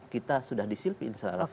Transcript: kita sudah disilpi